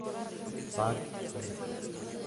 Barth Commuter.